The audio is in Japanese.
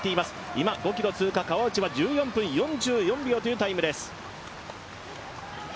今、５ｋｍ通過、川内は１４分４４秒というタイムです。